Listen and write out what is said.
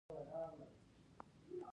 پکتیکا ولې پراخه دښتې لري؟